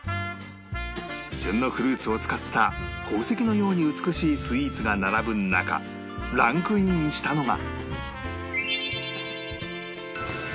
旬のフルーツを使った宝石のように美しいスイーツが並ぶ中ランクインしたのが